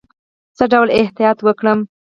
څه ډول احتیاط وکړم؟